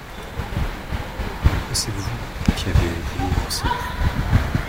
C'est vous qui avez voulu mon salut.